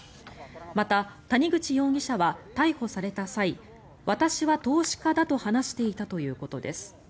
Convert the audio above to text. また谷口容疑者は逮捕された際私は投資家だと話していたということです。